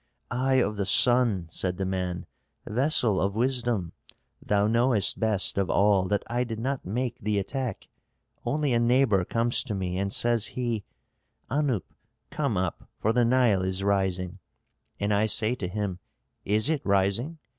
"Eye of the sun," said the man, "vessel of wisdom, thou knowest best of all that I did not make the attack, only a neighbor comes to me and says he, 'Anup, come up, for the Nile is rising.' And I say to him, 'Is it rising?'